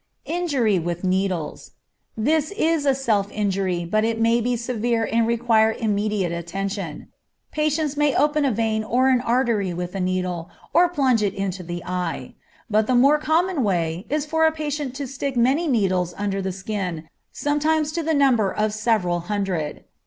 Injury with Needles. This is a self injury, but it may be severe and require immediate attention. Patients may open a vein or an artery with a needle, or plunge it into the eye. But the more common way is for a patient to stick many needles under the skin, sometimes to the number of several hundred.